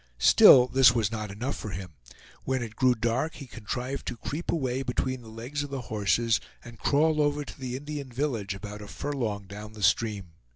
Still this was not enough for him. When it grew dark he contrived to creep away between the legs of the horses and crawl over to the Indian village, about a furlong down the stream.